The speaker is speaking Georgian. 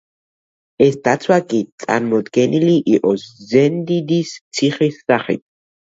ეს დაცვა კი, წარმოდგენილი იყო ზენდიდის ციხის სახით.